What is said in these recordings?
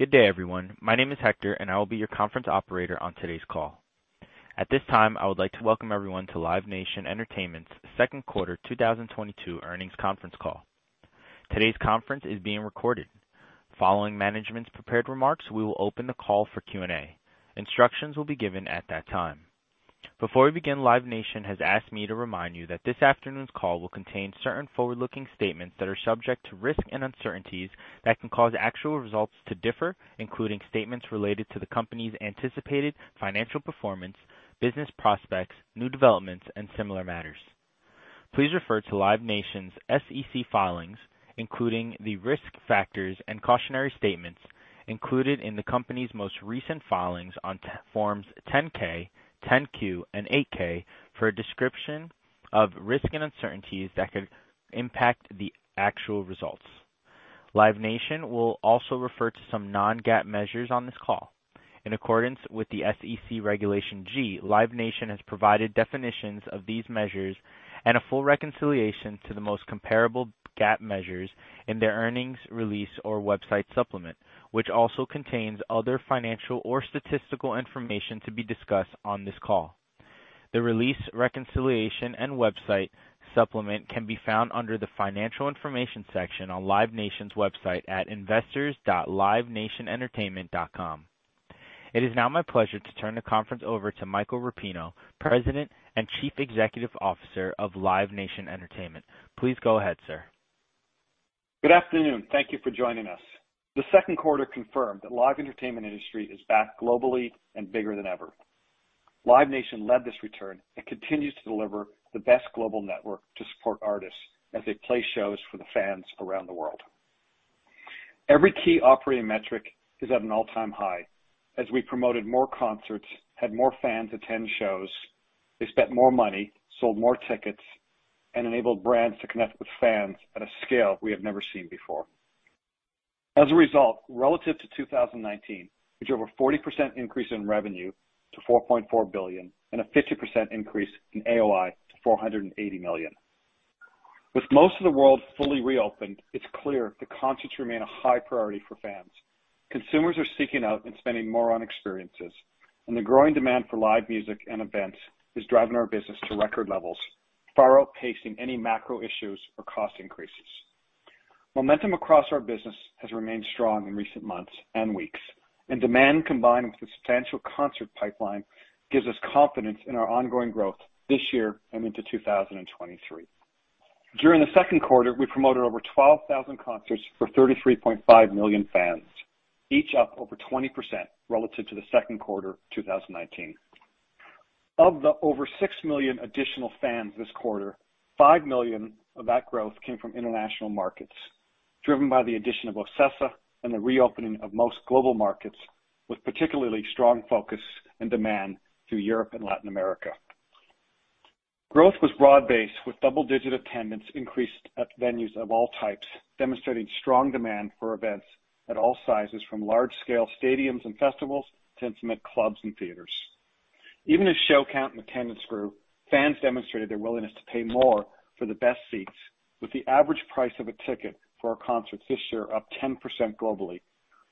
Good day, everyone. My name is Hector, and I will be your conference operator on today's call. At this time, I would like to welcome everyone to Live Nation Entertainment's second quarter 2022 earnings conference call. Today's conference is being recorded. Following management's prepared remarks, we will open the call for Q&A. Instructions will be given at that time. Before we begin, Live Nation has asked me to remind you that this afternoon's call will contain certain forward-looking statements that are subject to risks and uncertainties that can cause actual results to differ, including statements related to the company's anticipated financial performance, business prospects, new developments, and similar matters. Please refer to Live Nation's SEC filings, including the risk factors and cautionary statements included in the company's most recent filings on forms 10-K, 10-Q, and 8-K for a description of risks and uncertainties that could impact the actual results. Live Nation will also refer to some non-GAAP measures on this call. In accordance with the SEC Regulation G, Live Nation has provided definitions of these measures and a full reconciliation to the most comparable GAAP measures in their earnings release or website supplement, which also contains other financial or statistical information to be discussed on this call. The release reconciliation and website supplement can be found under the Financial Information section on Live Nation's website at investors.livenationentertainment.com. It is now my pleasure to turn the conference over to Michael Rapino, President and Chief Executive Officer of Live Nation Entertainment. Please go ahead, sir. Good afternoon. Thank you for joining us. The second quarter confirmed that live entertainment industry is back globally and bigger than ever. Live Nation led this return and continues to deliver the best global network to support artists as they play shows for the fans around the world. Every key operating metric is at an all-time high. As we promoted more concerts, had more fans attend shows, they spent more money, sold more tickets, and enabled brands to connect with fans at a scale we have never seen before. As a result, relative to 2019, we drove a 40% increase in revenue to $4.4 billion and a 50% increase in AOI to $480 million. With most of the world fully reopened, it's clear that concerts remain a high priority for fans. Consumers are seeking out and spending more on experiences, and the growing demand for live music and events is driving our business to record levels, far outpacing any macro issues or cost increases. Momentum across our business has remained strong in recent months and weeks, and demand, combined with a substantial concert pipeline, gives us confidence in our ongoing growth this year and into 2023. During the second quarter, we promoted over 12,000 concerts for 33.5 million fans, each up over 20% relative to the second quarter 2019. Of the over 6 million additional fans this quarter, 5 million of that growth came from international markets, driven by the addition of OCESA and the reopening of most global markets, with particularly strong focus and demand through Europe and Latin America. Growth was broad-based, with double-digit attendance increased at venues of all types, demonstrating strong demand for events at all sizes, from large-scale stadiums and festivals to intimate clubs and theaters. Even as show count and attendance grew, fans demonstrated their willingness to pay more for the best seats, with the average price of a ticket for our concerts this year up 10% globally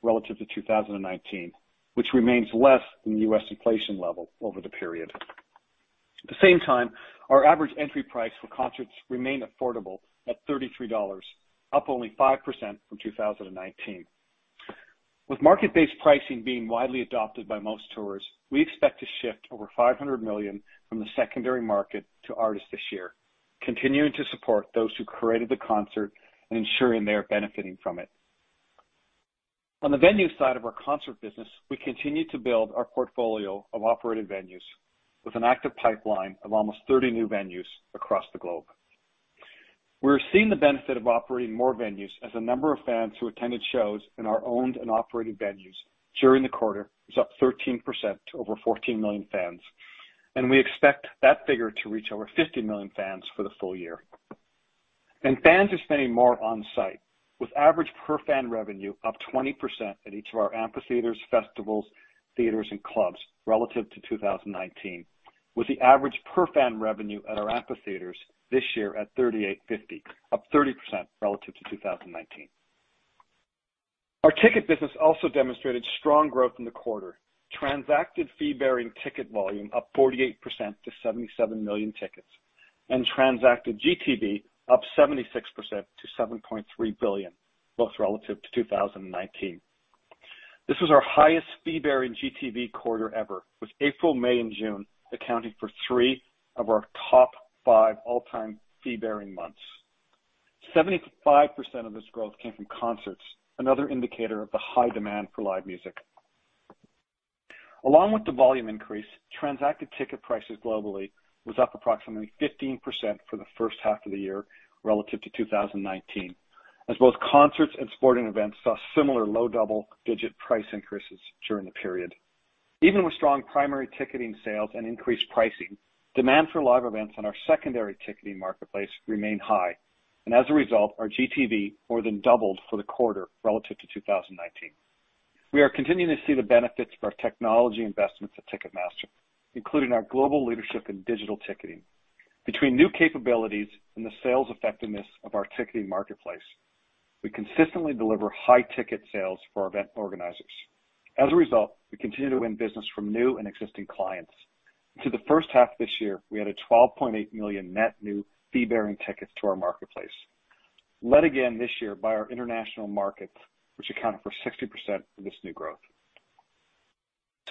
relative to 2019, which remains less than the US inflation level over the period. At the same time, our average entry price for concerts remained affordable at $33, up only 5% from 2019. With market-based pricing being widely adopted by most tours, we expect to shift over $500 million from the secondary market to artists this year, continuing to support those who created the concert and ensuring they are benefiting from it. On the venue side of our concert business, we continue to build our portfolio of operated venues with an active pipeline of almost 30 new venues across the globe. We're seeing the benefit of operating more venues as the number of fans who attended shows in our owned and operated venues during the quarter was up 13% to over 14 million fans, and we expect that figure to reach over 50 million fans for the full year. Fans are spending more on-site, with average per fan revenue up 20% at each of our amphitheaters, festivals, theaters, and clubs relative to 2019, with the average per fan revenue at our amphitheaters this year at $38.50, up 30% relative to 2019. Our ticket business also demonstrated strong growth in the quarter. Transacted fee-bearing ticket volume up 48% to 77 million tickets, and transacted GTV up 76% to $7.3 billion, both relative to 2019. This was our highest fee-bearing GTV quarter ever, with April, May, and June accounting for three of our top five all-time fee-bearing months. 75% of this growth came from concerts, another indicator of the high demand for live music. Along with the volume increase, transacted ticket prices globally was up approximately 15% for the first half of the year relative to 2019, as both concerts and sporting events saw similar low double-digit price increases during the period. Even with strong primary ticketing sales and increased pricing, demand for live events on our secondary ticketing marketplace remained high. As a result, our GTV more than doubled for the quarter relative to 2019. We are continuing to see the benefits of our technology investments at Ticketmaster, including our global leadership in digital ticketing. Between new capabilities and the sales effectiveness of our ticketing marketplace, we consistently deliver high ticket sales for our event organizers. As a result, we continue to win business from new and existing clients. In the first half of this year, we had a 12.8 million net new fee-bearing tickets to our marketplace, led again this year by our international markets, which accounted for 60% of this new growth.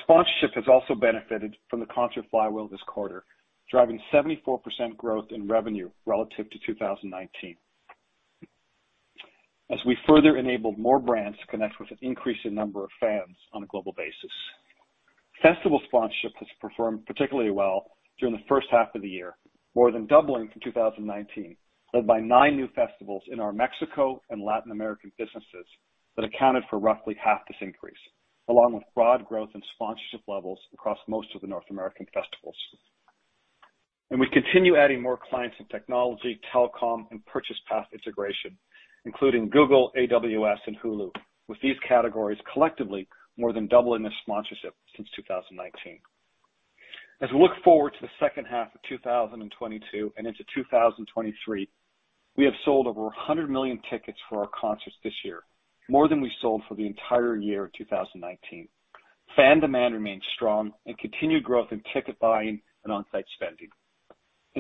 Sponsorship has also benefited from the concert flywheel this quarter, driving 74% growth in revenue relative to 2019. As we further enabled more brands to connect with an increasing number of fans on a global basis. Festival sponsorship has performed particularly well during the first half of the year, more than doubling from 2019, led by nine new festivals in our Mexico and Latin American businesses that accounted for roughly half this increase, along with broad growth in sponsorship levels across most of the North American festivals. We continue adding more clients in technology, telecom, and purchase path integration, including Google, AWS, and Hulu. With these categories collectively more than doubling their sponsorship since 2019. As we look forward to the second half of 2022 and into 2023, we have sold over 100 million tickets for our concerts this year, more than we sold for the entire year of 2019. Fan demand remains strong and continued growth in ticket buying and on-site spending.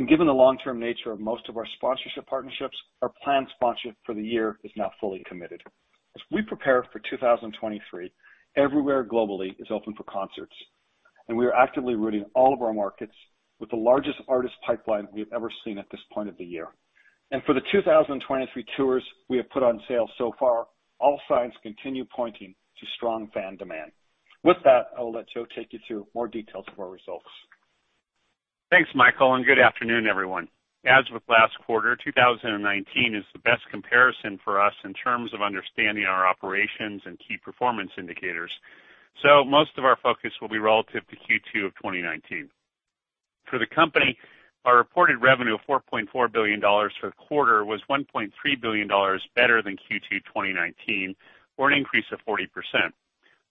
Given the long-term nature of most of our sponsorship partnerships, our planned sponsorship for the year is now fully committed. As we prepare for 2023, everywhere globally is open for concerts, and we are actively routing all of our markets with the largest artist pipeline we have ever seen at this point of the year. For the 2023 tours we have put on sale so far, all signs continue pointing to strong fan demand. With that, I will let Joe take you through more details of our results. Thanks, Michael, and good afternoon, everyone. As with last quarter, 2019 is the best comparison for us in terms of understanding our operations and key performance indicators. Most of our focus will be relative to Q2 of 2019. For the company, our reported revenue of $4.4 billion for the quarter was $1.3 billion better than Q2 2019 or an increase of 40%.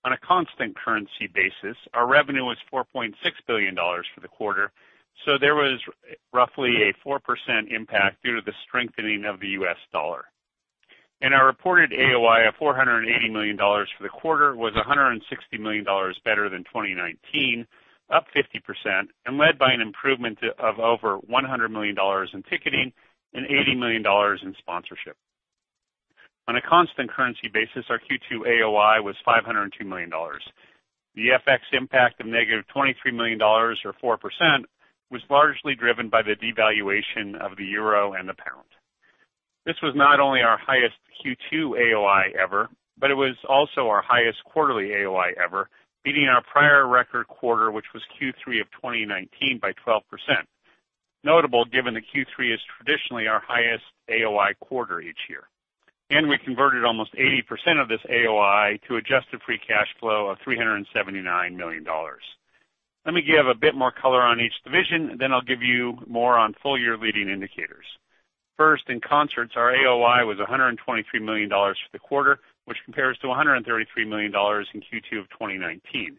On a constant currency basis, our revenue was $4.6 billion for the quarter, so there was roughly a 4% impact due to the strengthening of the U.S. dollar. Our reported AOI of $480 million for the quarter was $160 million better than 2019, up 50% and led by an improvement of over $100 million in ticketing and $80 million in sponsorship. On a constant currency basis, our Q2 AOI was $502 million. The FX impact of -$23 million or 4% was largely driven by the devaluation of the euro and the pound. This was not only our highest Q2 AOI ever, but it was also our highest quarterly AOI ever, beating our prior record quarter, which was Q3 of 2019 by 12%. Notable, given the Q3 is traditionally our highest AOI quarter each year. We converted almost 80% of this AOI to adjusted free cash flow of $379 million. Let me give a bit more color on each division, and then I'll give you more on full year leading indicators. First, in concerts, our AOI was $123 million for the quarter, which compares to $133 million in Q2 of 2019. It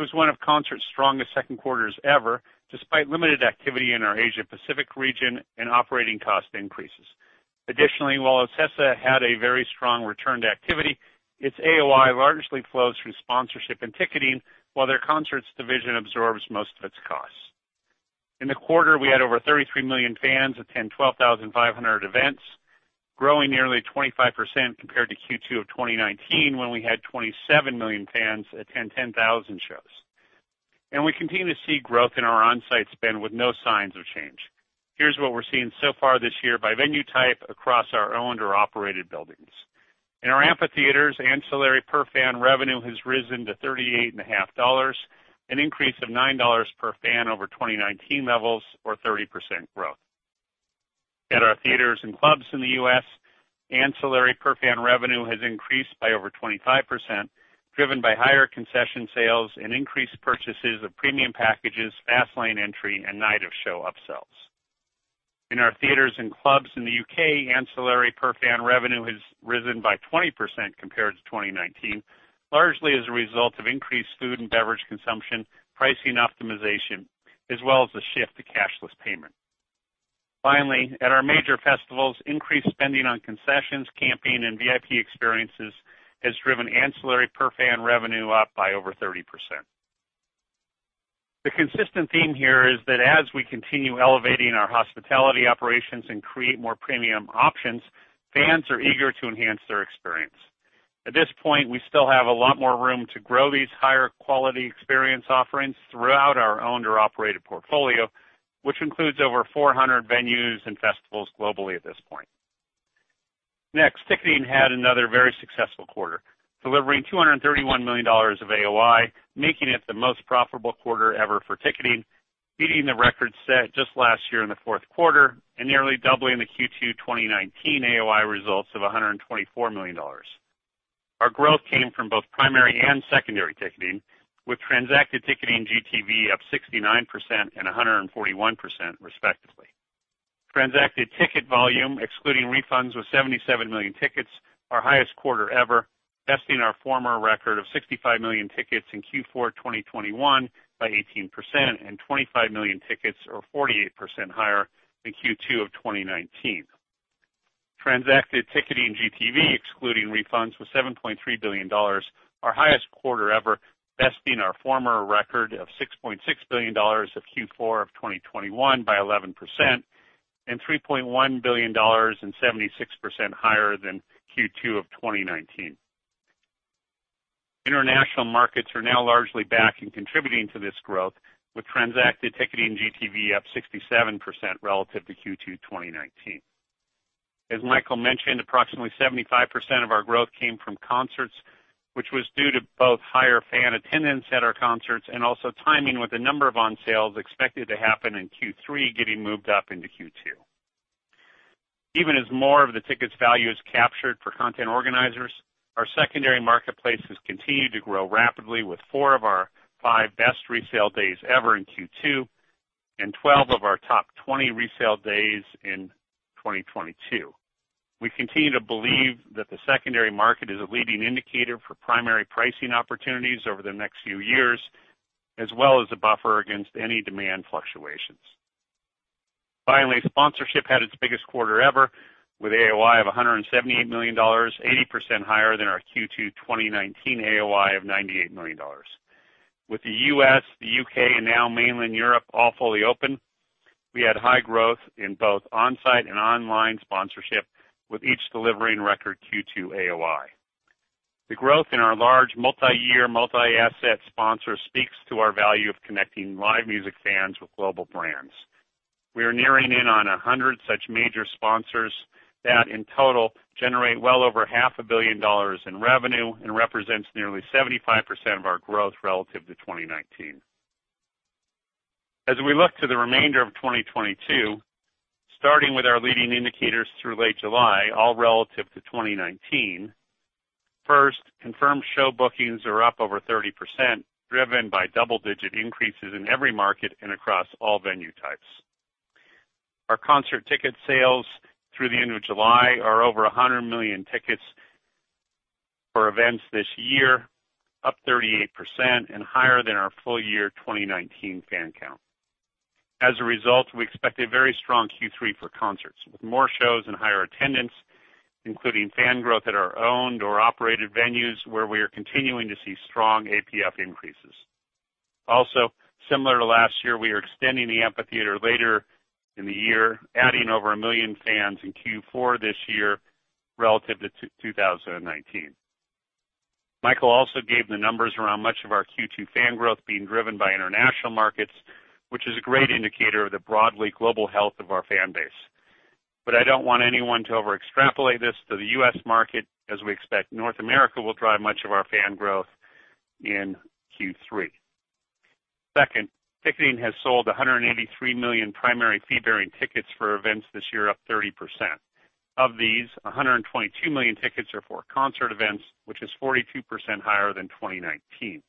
was one of concerts strongest second quarters ever, despite limited activity in our Asia Pacific region and operating cost increases. Additionally, while OCESA had a very strong return to activity, its AOI largely flows from sponsorship and ticketing, while their concerts division absorbs most of its costs. In the quarter, we had over 33 million fans attend 12,500 events, growing nearly 25% compared to Q2 of 2019, when we had 27 million fans attend 10,000 shows. We continue to see growth in our on-site spend with no signs of change. Here's what we're seeing so far this year by venue type across our owned or operated buildings. In our amphitheaters, ancillary per fan revenue has risen to $38.50, an increase of $9 per fan over 2019 levels or 30% growth. At our theaters and clubs in the U.S., ancillary per fan revenue has increased by over 25%, driven by higher concession sales and increased purchases of premium packages, fast lane entry and night of show upsells. In our theaters and clubs in the U.K., ancillary per fan revenue has risen by 20% compared to 2019, largely as a result of increased food and beverage consumption, pricing optimization, as well as the shift to cashless payment. Finally, at our major festivals, increased spending on concessions, camping, and VIP experiences has driven ancillary per fan revenue up by over 30%. The consistent theme here is that as we continue elevating our hospitality operations and create more premium options, fans are eager to enhance their experience. At this point, we still have a lot more room to grow these higher quality experience offerings throughout our owned or operated portfolio, which includes over 400 venues and festivals globally at this point. Next, ticketing had another very successful quarter, delivering $231 million of AOI, making it the most profitable quarter ever for ticketing, beating the record set just last year in the fourth quarter and nearly doubling the Q2 2019 AOI results of $124 million. Our growth came from both primary and secondary ticketing, with transacted ticketing GTV up 69% and 141% respectively. Transacted ticket volume, excluding refunds, was 77 million tickets, our highest quarter ever, besting our former record of 65 million tickets in Q4 2021 by 18% and 25 million tickets or 48% higher than Q2 of 2019. Transacted ticketing GTV, excluding refunds, was $7.3 billion, our highest quarter ever, besting our former record of $6.6 billion of Q4 of 2021 by 11% and $3.1 billion and 76% higher than Q2 of 2019. International markets are now largely back and contributing to this growth, with transacted ticketing GTV up 67% relative to Q2 2019. As Michael mentioned, approximately 75% of our growth came from concerts, which was due to both higher fan attendance at our concerts and also timing with a number of on sales expected to happen in Q3 getting moved up into Q2. Even as more of the tickets value is captured for content organizers, our secondary marketplace has continued to grow rapidly with four of our five best resale days ever in Q2 and 12 of our top 20 resale days in 2022. We continue to believe that the secondary market is a leading indicator for primary pricing opportunities over the next few years, as well as a buffer against any demand fluctuations. Finally, sponsorship had its biggest quarter ever with AOI of $178 million, 80% higher than our Q2 2019 AOI of $98 million. With the U.S., the U.K., and now Mainland Europe all fully open, we had high growth in both on-site and online sponsorship, with each delivering record Q2 AOI. The growth in our large multi-year, multi-asset sponsors speaks to our value of connecting live music fans with global brands. We are nearing in on 100 such major sponsors that in total generate well over half a billion dollars in revenue and represents nearly 75% of our growth relative to 2019. As we look to the remainder of 2022, starting with our leading indicators through late July, all relative to 2019. First, confirmed show bookings are up over 30%, driven by double-digit increases in every market and across all venue types. Our concert ticket sales through the end of July are over 100 million tickets for events this year, up 38% and higher than our full year 2019 fan count. As a result, we expect a very strong Q3 for concerts with more shows and higher attendance, including fan growth at our owned or operated venues where we are continuing to see strong APF increases. Also, similar to last year, we are extending the amphitheater later in the year, adding over 1 million fans in Q4 this year relative to 2019. Michael also gave the numbers around much of our Q2 fan growth being driven by international markets, which is a great indicator of the broadly global health of our fan base. I don't want anyone to overextrapolate this to the U.S. market as we expect North America will drive much of our fan growth in Q3. Second, ticketing has sold 183 million primary fee-bearing tickets for events this year, up 30%. Of these, 122 million tickets are for concert events, which is 42% higher than 2019.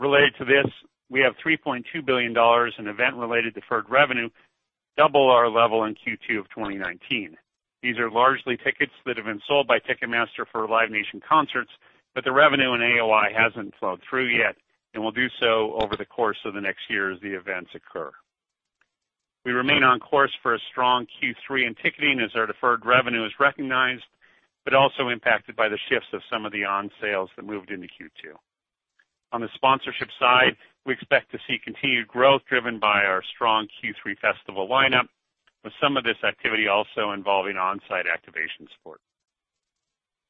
Related to this, we have $3.2 billion in event-related deferred revenue, double our level in Q2 of 2019. These are largely tickets that have been sold by Ticketmaster for Live Nation concerts, but the revenue in AOI hasn't flowed through yet and will do so over the course of the next year as the events occur. We remain on course for a strong Q3 in ticketing as our deferred revenue is recognized, but also impacted by the shifts of some of the on sales that moved into Q2. On the sponsorship side, we expect to see continued growth driven by our strong Q3 festival lineup, with some of this activity also involving on-site activation support.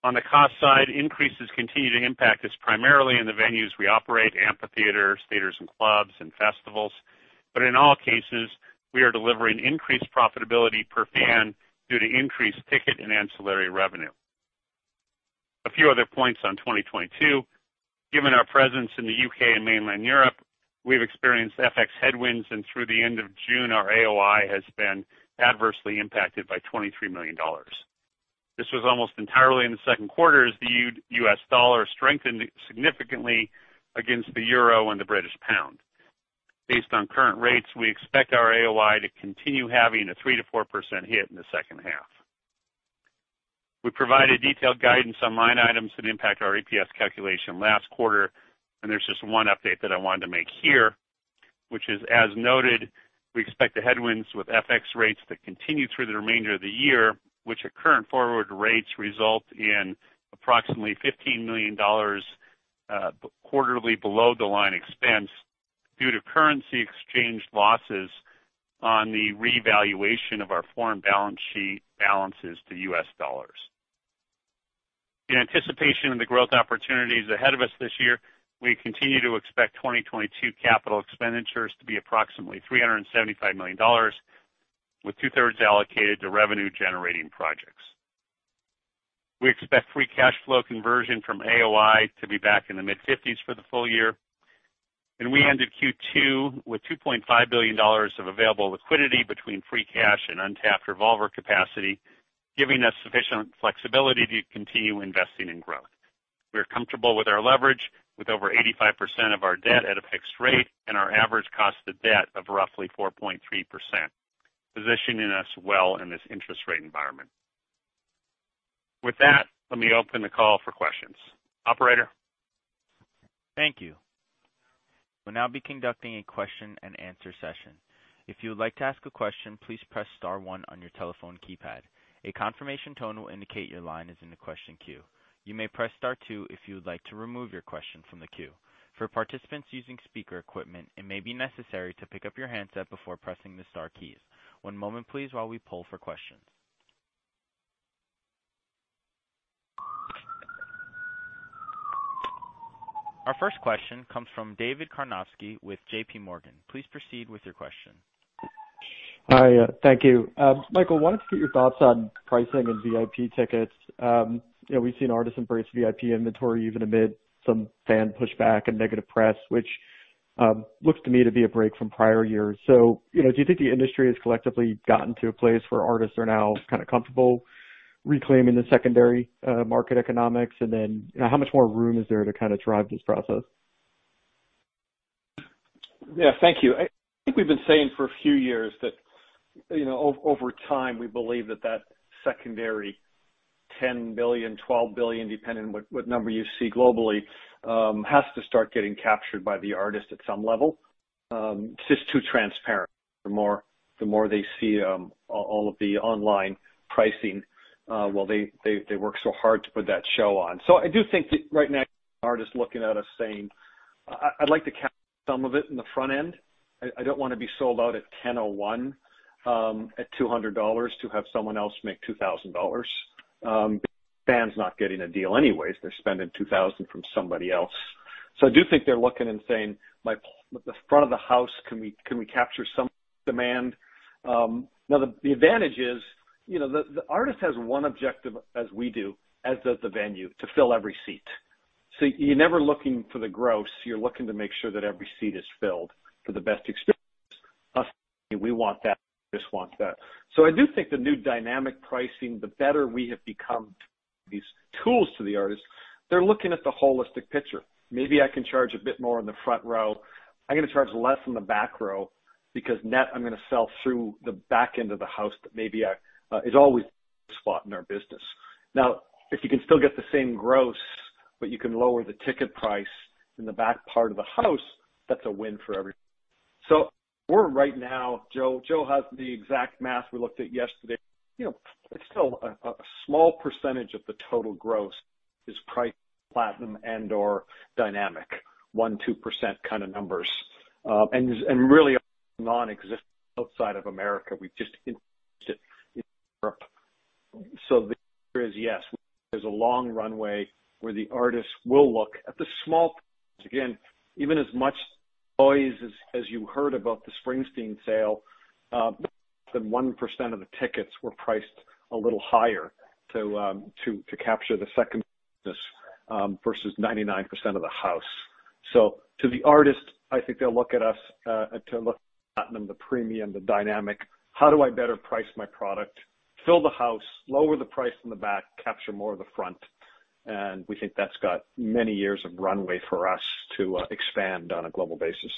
On the cost side, increases continue to impact us primarily in the venues we operate, amphitheater, theaters and clubs, and festivals. In all cases, we are delivering increased profitability per fan due to increased ticket and ancillary revenue. A few other points on 2022. Given our presence in the U.K. and Mainland Europe, we've experienced FX headwinds, and through the end of June, our AOI has been adversely impacted by $23 million. This was almost entirely in the second quarter as the U.S. dollar strengthened significantly against the euro and the British pound. Based on current rates, we expect our AOI to continue having a 3%-4% hit in the second half. We provided detailed guidance on line items that impact our EPS calculation last quarter, and there's just one update that I wanted to make here, which is, as noted, we expect the headwinds with FX rates to continue through the remainder of the year, which at current forward rates result in approximately $15 million quarterly below the line expense due to currency exchange losses on the revaluation of our foreign balance sheet balances to US dollars. In anticipation of the growth opportunities ahead of us this year, we continue to expect 2022 capital expenditures to be approximately $375 million, with two-thirds allocated to revenue-generating projects. We expect free cash flow conversion from AOI to be back in the mid-50s% for the full year, and we ended Q2 with $2.5 billion of available liquidity between free cash and untapped revolver capacity, giving us sufficient flexibility to continue investing in growth. We are comfortable with our leverage with over 85% of our debt at a fixed rate and our average cost of debt of roughly 4.3%, positioning us well in this interest rate environment. With that, let me open the call for questions. Operator? Thank you. We'll now be conducting a question-and-answer session. If you would like to ask a question, please press star one on your telephone keypad. A confirmation tone will indicate your line is in the question queue. You may press star two if you would like to remove your question from the queue. For participants using speaker equipment, it may be necessary to pick up your handset before pressing the star keys. One moment please while we poll for questions. Our first question comes from David Karnovsky with JPMorgan. Please proceed with your question. Hi. Thank you. Michael, wanted to get your thoughts on pricing and VIP tickets. You know, we've seen artists embrace VIP inventory even amid some fan pushback and negative press, which looks to me to be a break from prior years. You know, do you think the industry has collectively gotten to a place where artists are now kind of comfortable reclaiming the secondary market economics? And then how much more room is there to kind of drive this process? Yeah. Thank you. I think we've been saying for a few years that, you know, over time, we believe that that secondary $10 billion, $12 billion, depending on what number you see globally, has to start getting captured by the artist at some level. It's just too transparent. The more they see all of the online pricing, while they work so hard to put that show on. I do think that right now, artists are looking at us saying, "I'd like to capture some of it in the front end. I don't wanna be sold out at 10:01, at $200 to have someone else make $2,000. Fan's not getting a deal anyways. They're spending $2,000 from somebody else." I do think they're looking and saying, "the front of the house, can we capture some demand?" Now the advantage is, you know, the artist has one objective as we do, as does the venue, to fill every seat. You're never looking for the gross, you're looking to make sure that every seat is filled for the best experience. We want that, artists want that. I do think the new dynamic pricing, the better we have become at these tools to the artists, they're looking at the holistic picture. Maybe I can charge a bit more on the front row. I'm gonna charge less on the back row because net, I'm gonna sell through the back end of the house, but maybe it's always a spot in our business. Now, if you can still get the same gross, but you can lower the ticket price in the back part of the house, that's a win for everyone. We're right now, Joe has the exact math we looked at yesterday. You know, it's still a small percentage of the total gross is priced platinum and/or dynamic, 1-2% kind of numbers. Really non-existent outside of America. We've just introduced it in Europe. The answer is yes, there's a long runway where the artists will look at the small. Again, even as much noise as you heard about the Springsteen sale, less than 1% of the tickets were priced a little higher to capture the second versus 99% of the house. To the artist, I think they'll look at us to look at the Platinum, the premium, the dynamic. How do I better price my product, fill the house, lower the price in the back, capture more of the front? We think that's got many years of runway for us to expand on a global basis.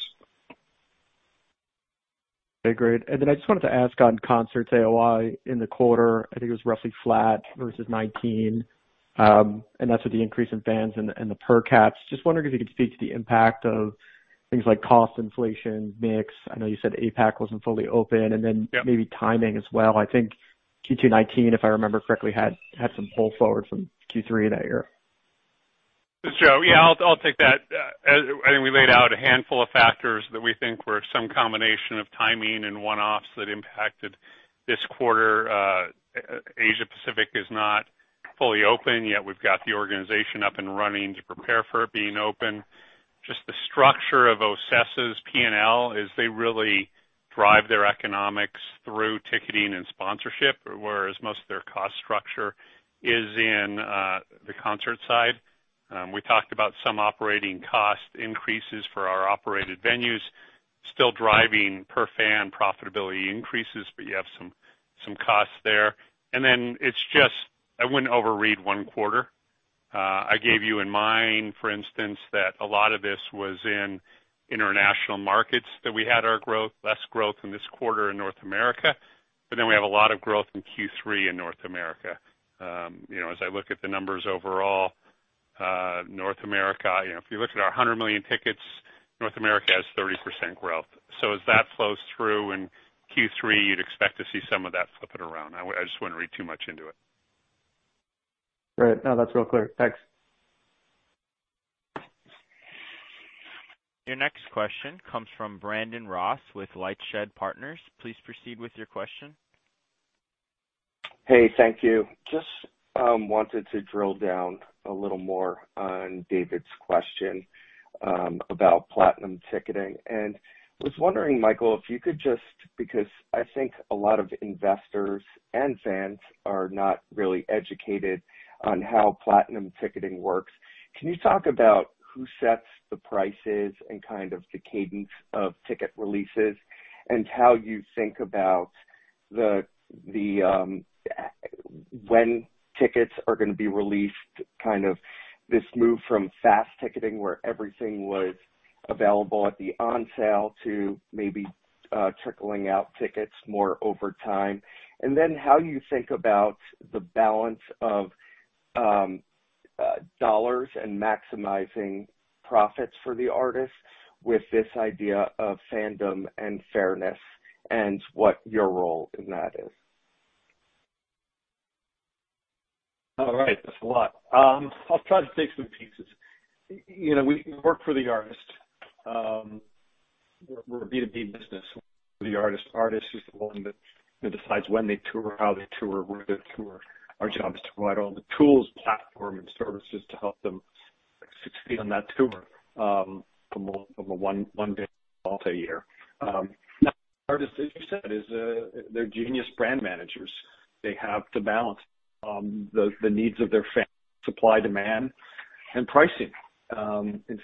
Okay. Great. I just wanted to ask on concerts AOI in the quarter. I think it was roughly flat versus 2019, and that's with the increase in fans and the per caps. Just wondering if you could speak to the impact of things like cost inflation, mix. I know you said APAC wasn't fully open, and then. Yeah. Maybe timing as well. I think Q2 2019, if I remember correctly, had some pull forward from Q3 that year. This is Joe. Yeah, I'll take that. As I think we laid out a handful of factors that we think were some combination of timing and one-offs that impacted this quarter. Asia Pacific is not fully open yet. We've got the organization up and running to prepare for it being open. Just the structure of OCESA's P&L is they really drive their economics through ticketing and sponsorship, whereas most of their cost structure is in the concert side. We talked about some operating cost increases for our operated venues, still driving per fan profitability increases, but you have some costs there. It's just I wouldn't overread one quarter. Keep in mind, for instance, that a lot of this was in international markets where we had less growth this quarter in North America. We have a lot of growth in Q3 in North America. As I look at the numbers overall, North America, if you look at our 100 million tickets, North America has 30% growth. As that flows through in Q3, you'd expect to see some of that flipping around. I just wouldn't read too much into it. Right. No, that's real clear. Thanks. Your next question comes from Brandon Ross with LightShed Partners. Please proceed with your question. Hey, thank you. Just wanted to drill down a little more on David's question about Platinum ticketing. Was wondering, Michael, if you could just, because I think a lot of investors and fans are not really educated on how Platinum ticketing works. Can you talk about who sets the prices and kind of the cadence of ticket releases and how you think about when tickets are gonna be released, kind of this move from face value ticketing, where everything was available at the on sale to maybe trickling out tickets more over time. How you think about the balance of dollars and maximizing profits for the artist with this idea of fandom and fairness and what your role in that is. All right, that's a lot. I'll try to take some pieces. You know, we work for the artist. We're a B2B business. The artist is the one that decides when they tour, how they tour, where they tour. Our job is to provide all the tools, platform and services to help them succeed on that tour, from a one day to multi-year. Now artists, as you said, is, they're genius brand managers. They have to balance the needs of their fans, supply, demand and pricing.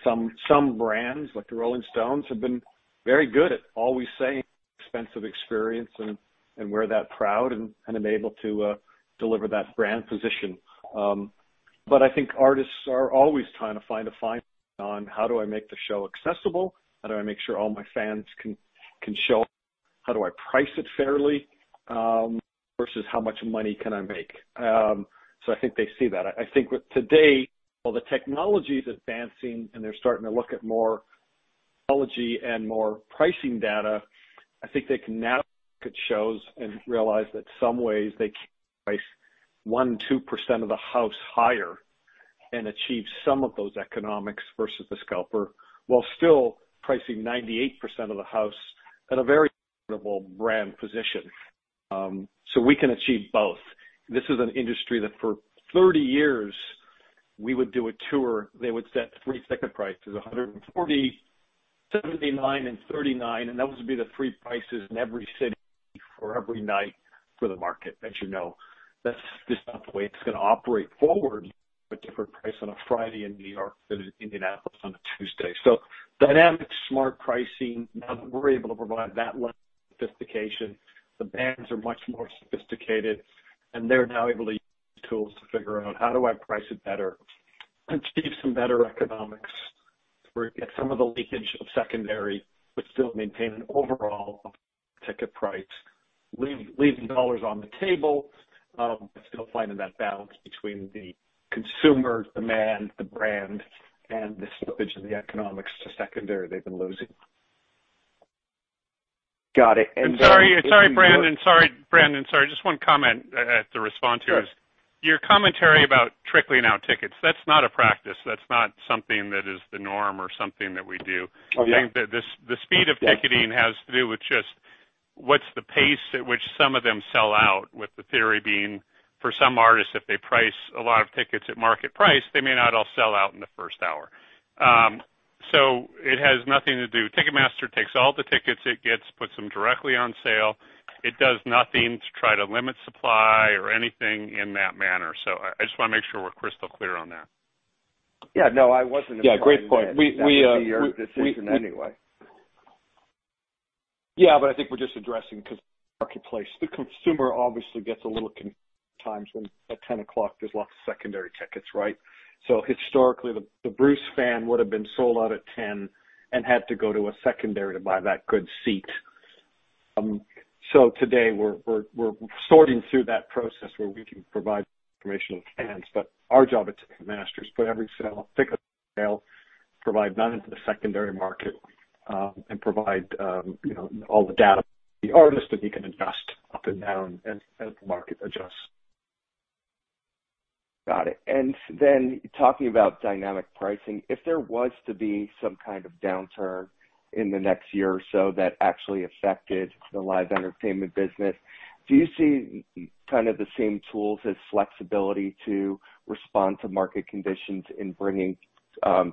Some brands like The Rolling Stones have been very good at always staging expensive experience and wear that proud and able to deliver that brand position. I think artists are always trying to find a fine line on how do I make the show accessible, how do I make sure all my fans can show? How do I price it fairly versus how much money can I make? I think they see that. I think today all the technology's advancing and they're starting to look at more technology and more pricing data. I think they can now look at shows and realize that in some ways they can price 1-2% of the house higher and achieve some of those economics versus the scalper, while still pricing 98% of the house at a very reasonable brand position. We can achieve both. This is an industry that for 30 years, we would do a tour. They would set three ticket prices, $140, $79, and $39, and that would be the three prices in every city for every night for the market, as you know. That's just not the way it's gonna operate forward, a different price on a Friday in New York than in Indianapolis on a Tuesday. Dynamic smart pricing, now that we're able to provide that level of sophistication, the bands are much more sophisticated, and they're now able to use tools to figure out how do I price it better and achieve some better economics, where we get some of the leakage of secondary, but still maintain an overall ticket price, leaving dollars on the table, but still finding that balance between the consumer demand, the brand, and the slippage in the economics to secondary they've been losing. Got it. Sorry, Brandon. Just one comment to respond to. Sure. Your commentary about trickling out tickets. That's not a practice. That's not something that is the norm or something that we do. Okay. I think that the speed of ticketing has to do with just what's the pace at which some of them sell out, with the theory being, for some artists, if they price a lot of tickets at market price, they may not all sell out in the first hour. It has nothing to do. Ticketmaster takes all the tickets it gets, puts them directly on sale. It does nothing to try to limit supply or anything in that manner. I just wanna make sure we're crystal clear on that. Yeah. No, I wasn't. Yeah, great point. We that would be your decision anyway. Yeah, but I think we're just addressing because marketplace, the consumer obviously gets a little confused at times when at ten o'clock there's lots of secondary tickets, right? Historically, the Bruce fan would have been sold out at ten and had to go to a secondary to buy that good seat. Today we're sorting through that process where we can provide information in advance, but our job at Ticketmaster is put every sale, ticket on sale, provide that into the secondary market, and provide you know, all the data to the artist that he can adjust up and down as the market adjusts. Got it. Talking about dynamic pricing, if there was to be some kind of downturn in the next year or so that actually affected the live entertainment business, do you see kind of the same tools as flexibility to respond to market conditions in bringing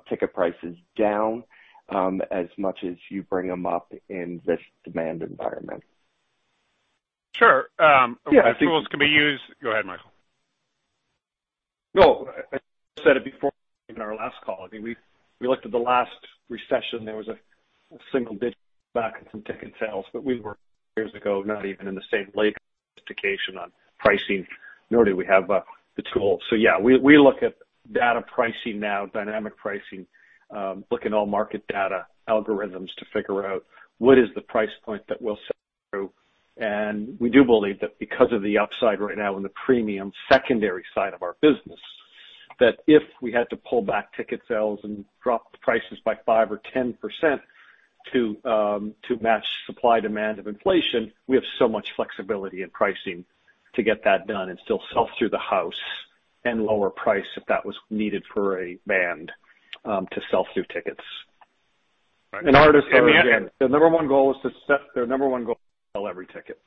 ticket prices down as much as you bring them up in this demand environment? Sure. The tools can be used. Go ahead, Michael. No, I said it before in our last call. I mean, we looked at the last recession. There was a single-digit drop in some ticket sales, but that was years ago, not even in the same league as sophistication on pricing, nor do we have the tools. Yeah, we look at dynamic pricing now, dynamic pricing, looking at all market data, algorithms to figure out what is the price point that we'll sell through. We do believe that because of the upside right now in the premium secondary side of our business, that if we had to pull back ticket sales and drop the prices by 5% or 10% to match supply and demand or inflation, we have so much flexibility in pricing to get that done and still sell through the house and lower price if that was needed for a band to sell through tickets. Right. An artist, their number one goal is to sell every ticket.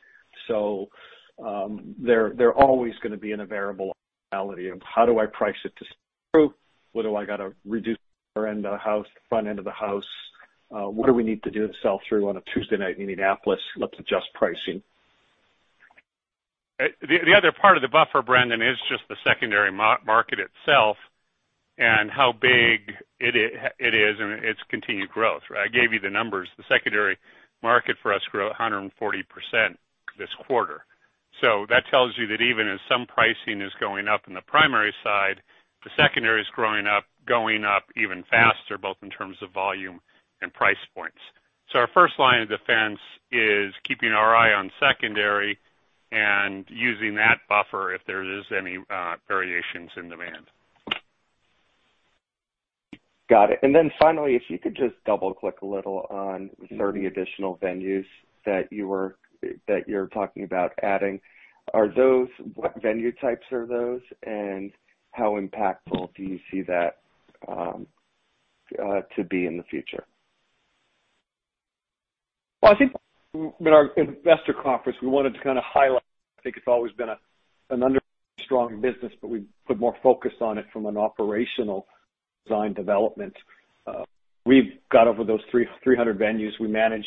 They're always gonna be in a variable of how do I price it to sell through? What do I got to reduce the back end of the house, the front end of the house? What do we need to do to sell through on a Tuesday night in Indianapolis? Let's adjust pricing. The other part of the buffer, Brandon, is just the secondary market itself. How big it is and its continued growth, right? I gave you the numbers. The secondary market for us grew 140% this quarter. That tells you that even as some pricing is going up in the primary side, the secondary is growing up, going up even faster, both in terms of volume and price points. Our first line of defense is keeping our eye on secondary and using that buffer if there is any variations in demand. Got it. Finally, if you could just double click a little on 30 additional venues that you're talking about adding. Are those what venue types are those, and how impactful do you see that to be in the future? I think in our investor conference, we wanted to kinda highlight, I think it's always been a strong business, but we put more focus on it from an operational design development. We've got over 300 venues we manage.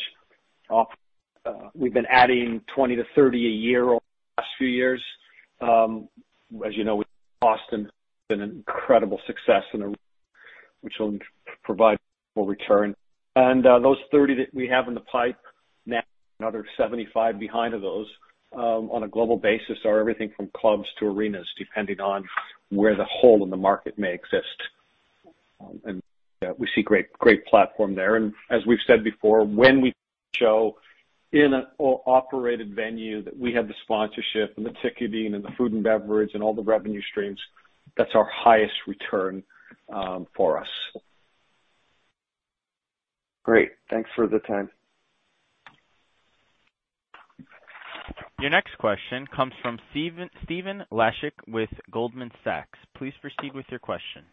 We've been adding 20-30 a year over the last few years. As you know, with Austin been an incredible success and which will provide full return. Those 30 that we have in the pipeline, now another 75 behind those, on a global basis, are everything from clubs to arenas, depending on where the hole in the market may exist. We see great platform there. As we've said before, when we show in a co-operated venue that we have the sponsorship and the ticketing and the food and beverage and all the revenue streams, that's our highest return for us. Great. Thanks for the time. Your next question comes from Stephen Laszczyk with Goldman Sachs. Please proceed with your question.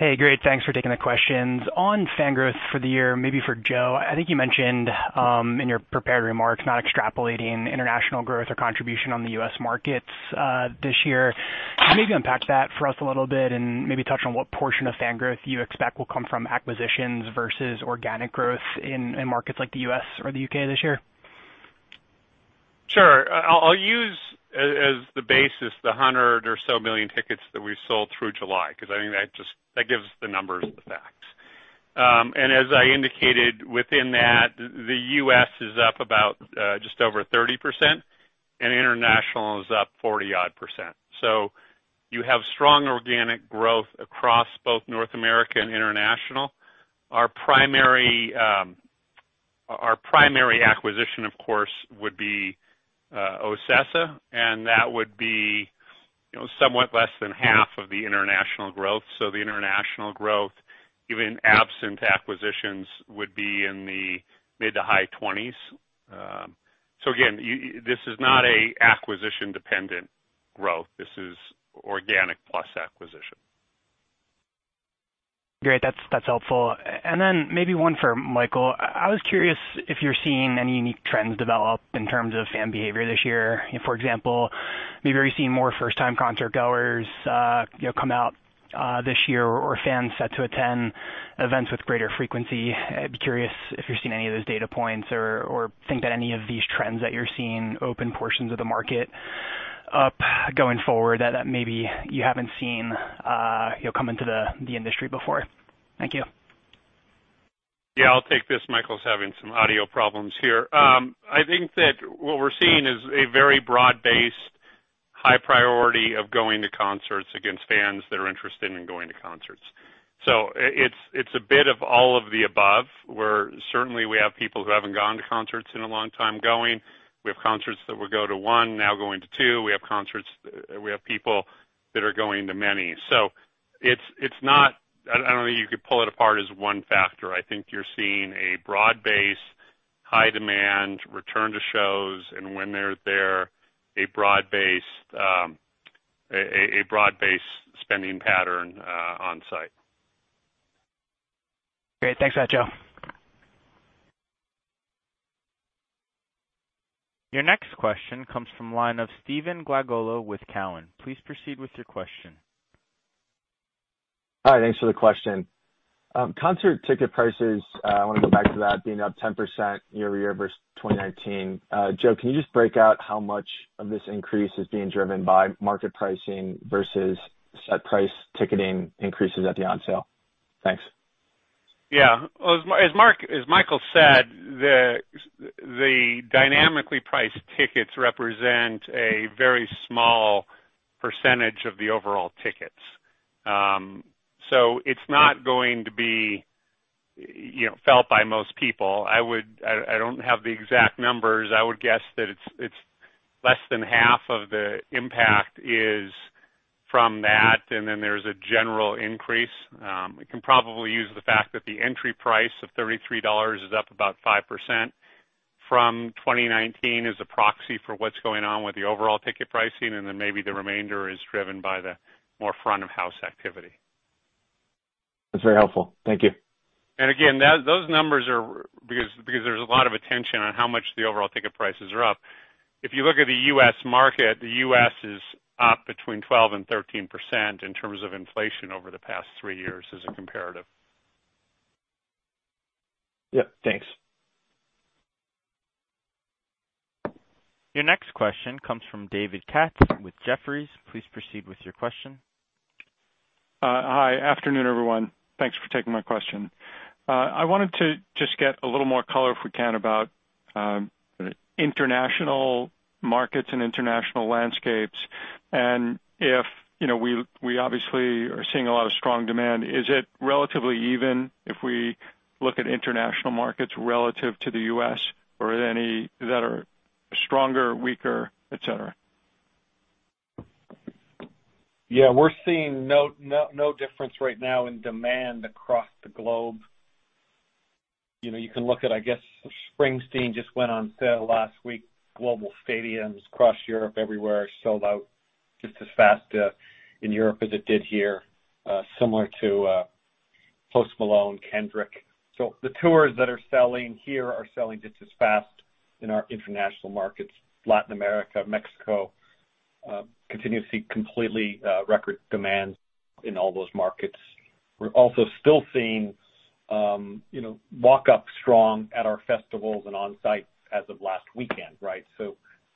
Hey, great. Thanks for taking the questions. On fan growth for the year, maybe for Joe, I think you mentioned in your prepared remarks, not extrapolating international growth or contribution to the U.S. markets this year. Can you maybe unpack that for us a little bit and maybe touch on what portion of fan growth you expect will come from acquisitions versus organic growth in markets like the U.S. or the U.K. this year? Sure. I'll use as the basis the 100 or so million tickets that we sold through July, because I think that just gives the numbers, the facts. As I indicated within that, the U.S. is up about just over 30% and international is up 40-odd%. You have strong organic growth across both North America and international. Our primary acquisition, of course, would be OCESA, and that would be, you know, somewhat less than half of the international growth. The international growth, even absent acquisitions, would be in the mid- to high-20s%. Again, this is not an acquisition dependent growth. This is organic plus acquisition. Great. That's helpful. Maybe one for Michael. I was curious if you're seeing any unique trends develop in terms of fan behavior this year. For example, maybe are you seeing more first-time concert goers, you know, come out, this year or fans set to attend events with greater frequency? I'd be curious if you're seeing any of those data points or think that any of these trends that you're seeing open portions of the market up going forward that maybe you haven't seen, you know, come into the industry before. Thank you. Yeah, I'll take this. Michael's having some audio problems here. I think that what we're seeing is a very broad-based, high propensity of going to concerts among fans that are interested in going to concerts. It's a bit of all of the above, where certainly we have people who haven't gone to concerts in a long time going. We have people who go to one now going to two. We have people that are going to many. It's not I don't think you could pull it apart as one factor. I think you're seeing a broad-based, high demand return to shows. When they're there, a broad-based spending pattern on site. Great. Thanks for that, Joe. Your next question comes from line of Stephen Glagola with Cowen. Please proceed with your question. Hi. Thanks for the question. Concert ticket prices, I want to go back to that being up 10% year-over-year versus 2019. Joe, can you just break out how much of this increase is being driven by market pricing versus set price ticketing increases at the on sale? Thanks. Yeah. As Michael said, the dynamically priced tickets represent a very small percentage of the overall tickets. So it's not going to be, you know, felt by most people. I don't have the exact numbers. I would guess that it's less than half of the impact is from that, and then there's a general increase. We can probably use the fact that the entry price of $33 is up about 5% from 2019 as a proxy for what's going on with the overall ticket pricing, and then maybe the remainder is driven by the more front of house activity. That's very helpful. Thank you. Again, those numbers are because there's a lot of attention on how much the overall ticket prices are up. If you look at the U.S. market, the U.S. is up between 12% and 13% in terms of inflation over the past three years as a comparative. Yeah, thanks. Your next question comes from David Katz with Jefferies. Please proceed with your question. Hi. Afternoon, everyone. Thanks for taking my question. I wanted to just get a little more color, if we can, about international markets and international landscapes, and if, you know, we obviously are seeing a lot of strong demand. Is it relatively even if we look at international markets relative to the US, or are there any that are stronger, weaker, et cetera? Yeah, we're seeing no difference right now in demand across the globe. You know, you can look at, I guess, Springsteen just went on sale last week. Global stadiums across Europe everywhere sold out just as fast in Europe as it did here, similar to Post Malone, Kendrick. The tours that are selling here are selling just as fast in our international markets. Latin America, Mexico, continue to see completely record demand in all those markets. We're also still seeing you know, walk-ups strong at our festivals and on-site as of last weekend, right?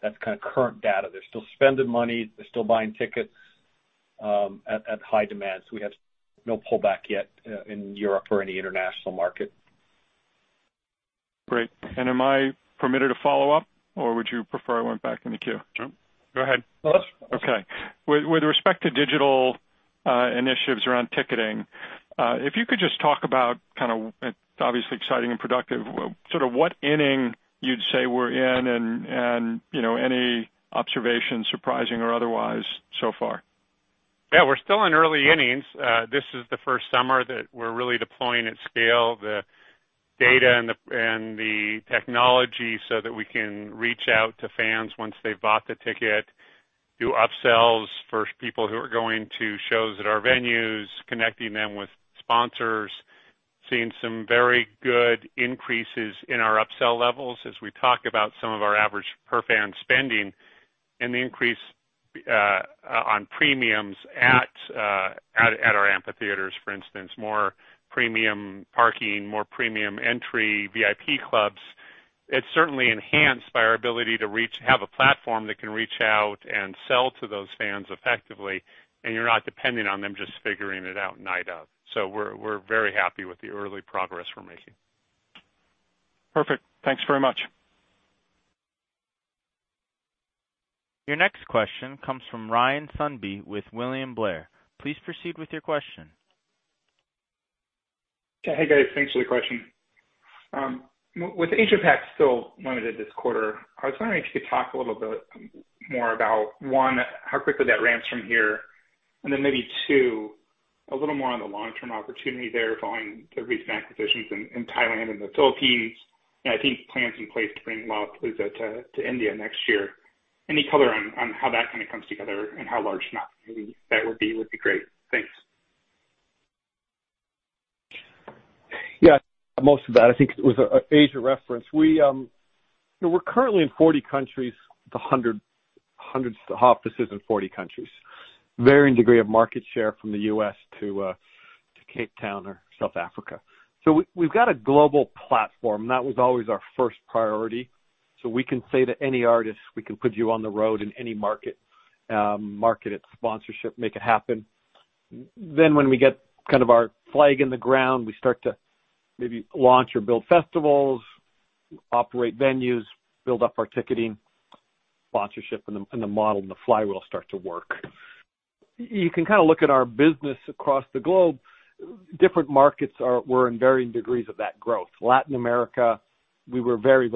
That's kinda current data. They're still spending money. They're still buying tickets at high demand. We have no pullback yet in Europe or any international market. Great. Am I permitted to follow up, or would you prefer I went back in the queue? Sure, go ahead. Okay. With respect to digital initiatives around ticketing, if you could just talk about kinda, obviously exciting and productive, sort of what inning you'd say we're in and you know, any observations, surprising or otherwise, so far? Yeah, we're still in early innings. This is the first summer that we're really deploying at scale the data and the technology so that we can reach out to fans once they've bought the ticket, do upsells for people who are going to shows at our venues, connecting them with sponsors, seeing some very good increases in our upsell levels as we talk about some of our average per-fan spending and the increase on premiums at our amphitheaters, for instance, more premium parking, more premium entry, VIP clubs. It's certainly enhanced by our ability to have a platform that can reach out and sell to those fans effectively, and you're not depending on them just figuring it out night of. We're very happy with the early progress we're making. Perfect. Thanks very much. Your next question comes from Ryan Sundby with William Blair. Please proceed with your question. Hey, guys. Thanks for the question. With AsiaPac still limited this quarter, I was wondering if you could talk a little bit more about, one, how quickly that ramps from here, and then maybe two, a little more on the long-term opportunity there following the recent acquisitions in Thailand and the Philippines. I think plans in place to bring Lollapalooza to India next year. Any color on how that kinda comes together and how large an opportunity that would be would be great. Thanks. Yeah, most of that I think it was an Asia reference. We, you know, we're currently in 40 countries, with hundreds of offices in 40 countries, varying degree of market share from the U.S. to Cape Town or South Africa. We've got a global platform. That was always our first priority. We can say to any artist, we can put you on the road in any market, sponsorship, make it happen. When we get kind of our flag in the ground, we start to maybe launch or build festivals, operate venues, build up our ticketing, sponsorship and the model, and the flywheel start to work. You can kinda look at our business across the globe. Different markets were in varying degrees of that growth. Latin America, we were very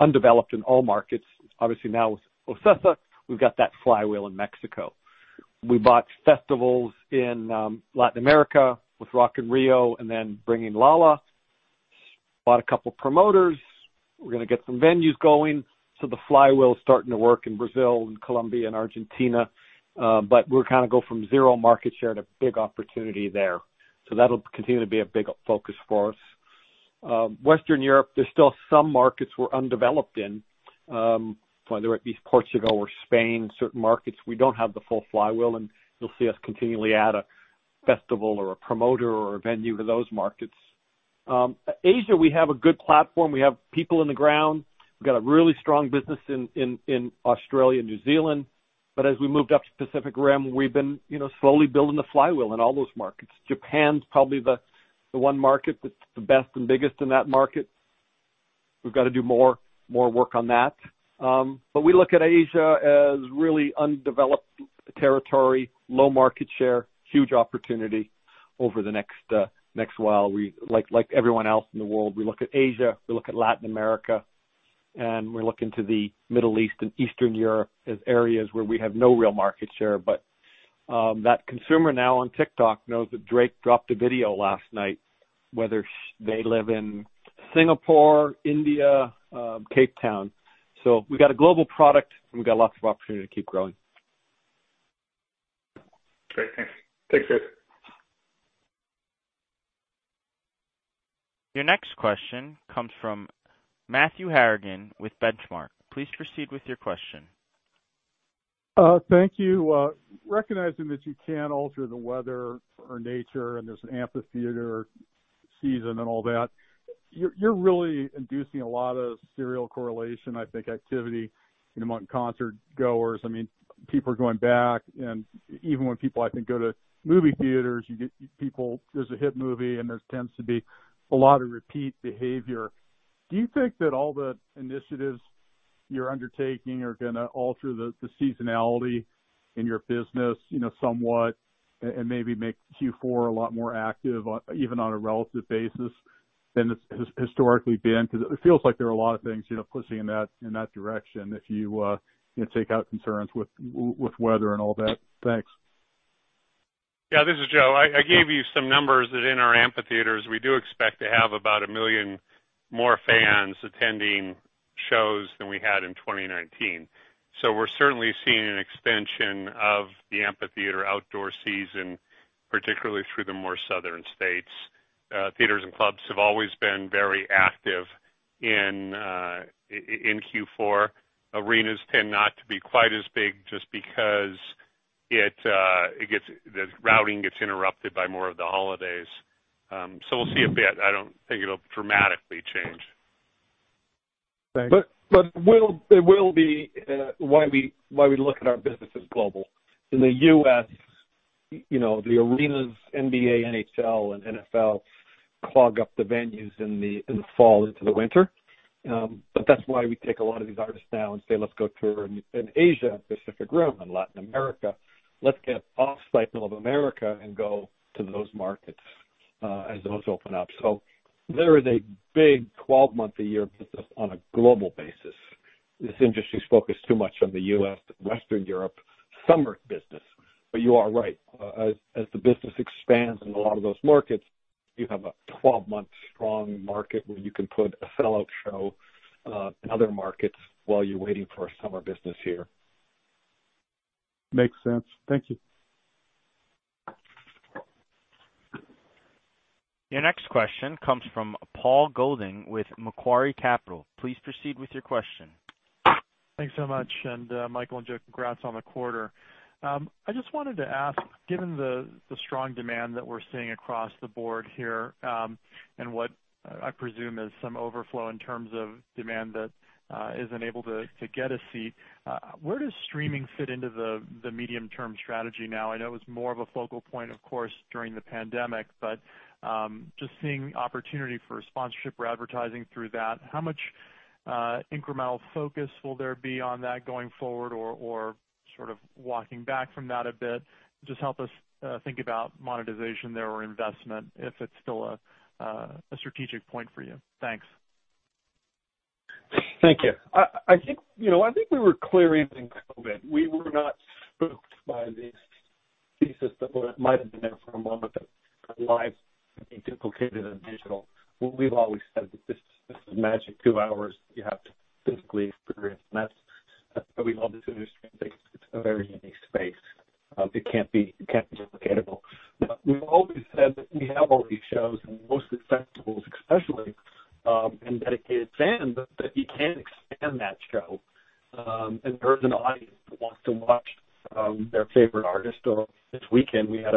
undeveloped in all markets. Obviously now with OCESA, we've got that flywheel in Mexico. We bought festivals in Latin America with Rock in Rio and then bringing Lolla. Bought a couple promoters. We're gonna get some venues going. The flywheel's starting to work in Brazil and Colombia and Argentina, but we'll kinda go from zero market share to big opportunity there. That'll continue to be a big focus for us. Western Europe, there's still some markets we're undeveloped in, whether it be Portugal or Spain, certain markets we don't have the full flywheel, and you'll see us continually add a festival or a promoter or a venue to those markets. Asia, we have a good platform. We have people in the ground. We've got a really strong business in Australia and New Zealand. As we moved up to Pacific Rim, we've been, you know, slowly building the flywheel in all those markets. Japan's probably the one market that's the best and biggest in that market. We've got to do more work on that. We look at Asia as really undeveloped territory, low market share, huge opportunity over the next while. We, like everyone else in the world, look at Asia, look at Latin America, and we're looking to the Middle East and Eastern Europe as areas where we have no real market share. That consumer now on TikTok knows that Drake dropped a video last night, whether they live in Singapore, India, Cape Town. We've got a global product, and we've got lots of opportunity to keep growing. Great. Thanks. Thanks, guys. Your next question comes from Matthew Harrigan with Benchmark. Please proceed with your question. Thank you. Recognizing that you can't alter the weather or nature, and there's an amphitheater season and all that, you're really inducing a lot of serial correlation, I think, activity, you know, among concert goers. I mean, people are going back and even when people, I think, go to movie theaters, you get people. There's a hit movie, and there tends to be a lot of repeat behavior. Do you think that all the initiatives you're undertaking are gonna alter the seasonality in your business, you know, somewhat and maybe make Q4 a lot more active, even on a relative basis than it's historically been? Because it feels like there are a lot of things, you know, pushing in that direction if you know, take out concerns with weather and all that. Thanks. Yeah, this is Joe. I gave you some numbers that in our amphitheaters, we do expect to have about a million more fans attending shows than we had in 2019. We're certainly seeing an extension of the amphitheater outdoor season, particularly through the more southern states. Theaters and clubs have always been very active in Q4. Arenas tend not to be quite as big just because the routing gets interrupted by more of the holidays. We'll see a bit. I don't think it'll dramatically change. Thanks. It will be why we look at our business as global. In the U.S., you know, the arenas, NBA, NHL and NFL clog up the venues in the fall into the winter. That's why we take a lot of these artists now and say, "Let's go tour in Asia, Pacific Rim and Latin America. Let's get off cycle of America and go to those markets as those open up." There is a big 12-month-a-year business on a global basis. This industry is focused too much on the U.S., Western Europe summer business. You are right. As the business expands in a lot of those markets, you have a 12-month strong market where you can put a sellout show in other markets while you're waiting for a summer business here. Makes sense. Thank you. Your next question comes from Paul Golding with Macquarie Capital. Please proceed with your question. Thanks so much. Michael and Joe, congrats on the quarter. I just wanted to ask, given the strong demand that we're seeing across the board here, and what I presume is some overflow in terms of demand that isn't able to get a seat, where does streaming fit into the medium-term strategy now? I know it was more of a focal point, of course, during the pandemic, but just seeing opportunity for sponsorship or advertising through that, how much incremental focus will there be on that going forward? Or sort of walking back from that a bit, just help us think about monetization there or investment if it's still a strategic point for you. Thanks. Thank you. I think, you know, I think we were clear even in COVID. We were not spooked by the thesis that might have been there for a moment that live could be duplicated in digital. We've always said that this is magic two hours you have to physically experience. That's why we love this industry and think it's a very unique space that can't be duplicatable. We've always said that we have all these shows and most festivals especially, and dedicated fans, that you can expand that show. There is an audience that wants to watch their favorite artist. This weekend we had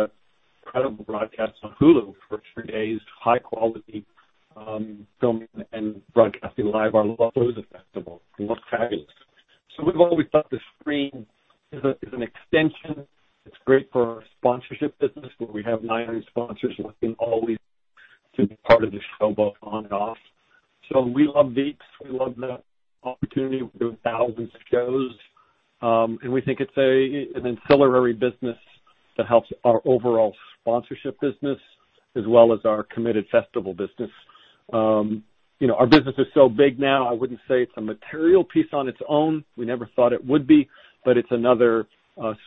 an incredible broadcast on Hulu for three days, high quality filming and broadcasting live. Lollapalooza, it looked fabulous. We've always thought the screen is an extension. It's great for our sponsorship business, where we have nine sponsors looking always to be part of the show, both on and off. We love Veeps. We love the opportunity. We're doing thousands of shows. We think it's an ancillary business that helps our overall sponsorship business as well as our committed festival business. You know, our business is so big now, I wouldn't say it's a material piece on its own. We never thought it would be, but it's another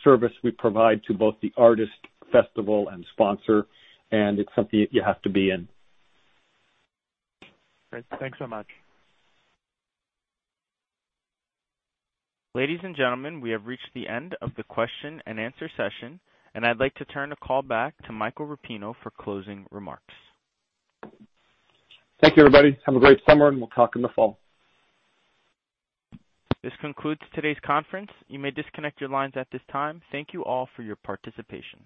service we provide to both the artist, festival and sponsor, and it's something that you have to be in. Great. Thanks so much. Ladies and gentlemen, we have reached the end of the question and answer session, and I'd like to turn the call back to Michael Rapino for closing remarks. Thank you, everybody. Have a great summer, and we'll talk in the fall. This concludes today's conference. You may disconnect your lines at this time. Thank you all for your participation.